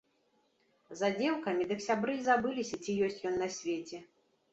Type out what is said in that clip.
За дзеўкамі дык сябры й забыліся, ці ёсць ён на свеце.